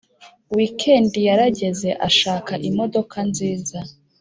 weekend yarageze ashaka imodoka nziza